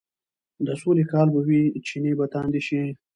د سولې کال به وي، چينې به تاندې شي،